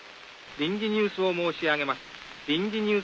臨時ニュースを申し上げます。